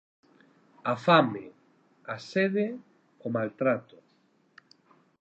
A fame. A sede. O maltrato.